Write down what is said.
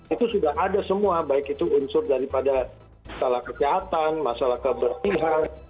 itu sudah ada semua baik itu unsur daripada masalah kesehatan masalah keberpihak masalah keamanan